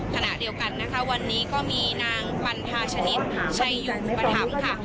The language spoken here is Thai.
ขณะเดียวกันนะคะวันนี้ก็มีนางปันทาชนิดชัยอยู่อุปถัมภ์ค่ะ